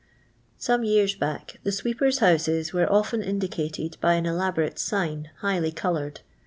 Some years back the sweepera' houses were often indicated by an eUbomto sigp, highly coloured.